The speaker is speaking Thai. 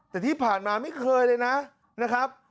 แต่ที่ผ่านมาไม่เคยเลยนะครับ